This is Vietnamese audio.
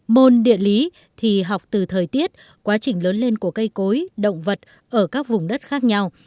môn địa lý thì học từ thời tiết quá trình lớn lên của cây cối động vật ở các vùng đất khác nhau